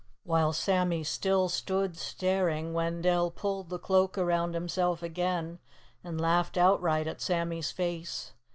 While Sammy still stood staring, Wendell pulled the Cloak around himself again, and laughed outright at Sammy's face.